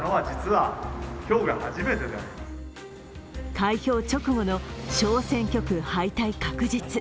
開票直後の小選挙区敗退確実。